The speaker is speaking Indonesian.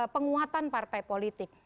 penguatan partai politik